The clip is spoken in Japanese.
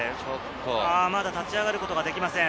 まだ立ち上がることができません。